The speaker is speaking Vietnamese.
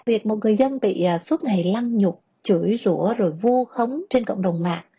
việc một người dân bị suốt ngày lăng nhục chửi rũa rồi vu khống trên cộng đồng mạng